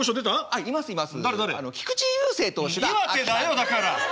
だから。